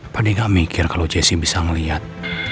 pada gak mikir kalo jesse bisa ngeliat